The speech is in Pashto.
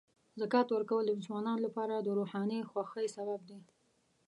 زکات ورکول د مسلمانانو لپاره د روحاني خوښۍ سبب دی.